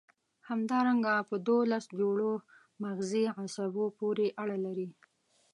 همدارنګه په دوولس جوړو مغزي عصبو پورې اړه لري.